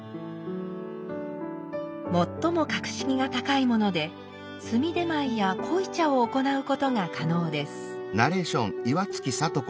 最も格式が高いもので炭手前や濃茶を行うことが可能です。